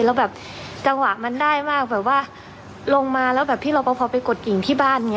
แล้วแบบจังหวะมันได้มากแบบว่าลงมาแล้วแบบพี่รอปภไปกดกิ่งที่บ้านอย่างนี้